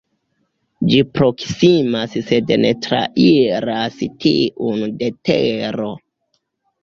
Ĝi proksimas sed ne trairas tiun de Tero.